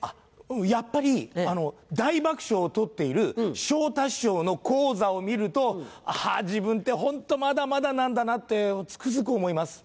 やっぱり大爆笑を取っている昇太師匠の高座を見るとあぁ自分ってホントまだまだなんだなってつくづく思います。